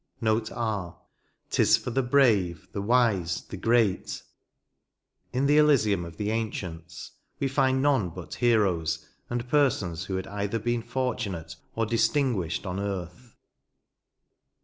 Note R. "* Tie for the brave, the wiaey the great" In the Elysium of the ancients we find none but heroes and persons who had either been fortunate or distinguished on NOTES. 113 earth.